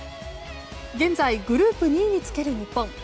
現在、グループ２位につける日本。